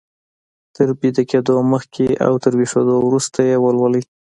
تر ويده کېدو مخکې او تر ويښېدو وروسته يې ولولئ.